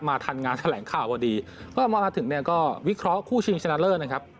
ทันงานแถลงข่าวพอดีก็พอมาถึงเนี่ยก็วิเคราะห์คู่ชิงชนะเลิศนะครับ